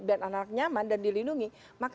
biar anak nyaman dan dilindungi maka